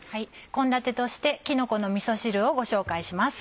献立としてきのこのみそ汁をご紹介します。